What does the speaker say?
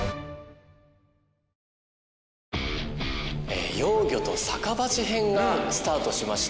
ええ「幼魚と逆罰編」がスタートしました。